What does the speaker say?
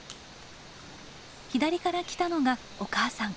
左から来たのがお母さん。